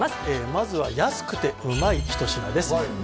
まずは安くてうまい一品です